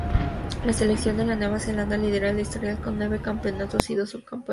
La selección de Nueva Zelanda lidera el historial con nueve campeonatos y dos subcampeonatos.